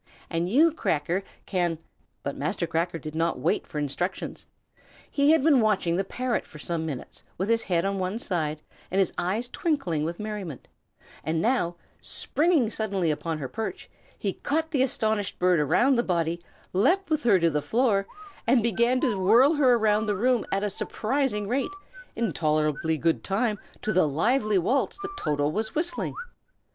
And you, Cracker, can " But Master Cracker did not wait for instructions. He had been watching the parrot for some minutes, with his head on one side and his eyes twinkling with merriment; and now, springing suddenly upon her perch, he caught the astonished bird round the body, leaped with her to the floor, and began to whirl her round the room at a surprising rate, in tolerably good time to the lively waltz that Toto was whistling.